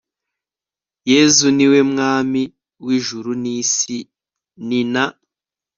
yezu ni we mwami w'ijuru n'isi, ni na